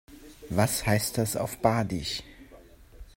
Was heißt das auf Badisch?